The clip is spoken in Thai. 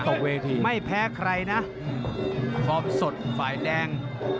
เวทีไม่แพ้ใครนะฟอร์มสดฝ่ายแดง